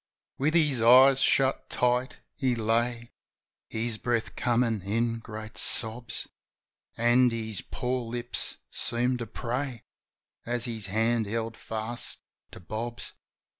With his eyes shut tight he lay. His breath comin' in great sobs. An' his poor lips seemed to pray. As his hand held fast to Bob's.